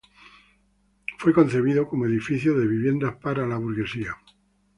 Fue concebido como edificio de viviendas para la burguesía.